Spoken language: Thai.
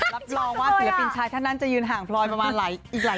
รับรองว่าศิลปินชายท่านนั้นจะยืนห่างพลอยอีกหลายเมตรเลย